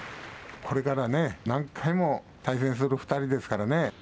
これからは何回も対戦する２人ですからね。